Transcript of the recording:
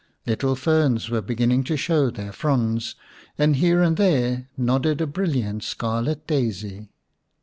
Little ferns were beginning to show their fronds, and here and there nodded a brilliant scarlet daisy.